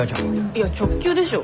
いや直球でしょ。